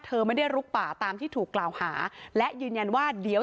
ไม่ได้ลุกป่าตามที่ถูกกล่าวหาและยืนยันว่าเดี๋ยว